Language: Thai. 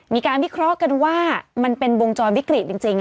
มีการวิเคราะห์กันว่ามันเป็นวงจรวิกฤตจริง